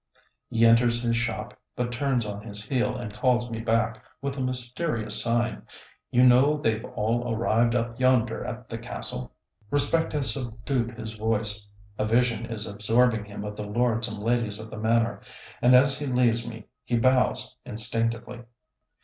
He enters his shop, but turns on his heel and calls me back, with a mysterious sign. "You know they've all arrived up yonder at the castle?" Respect has subdued his voice; a vision is absorbing him of the lords and ladies of the manor, and as he leaves me he bows, instinctively.